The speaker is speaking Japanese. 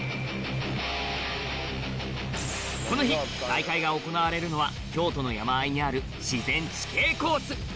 この日大会が行われるのは京都の山あいにある自然地形コース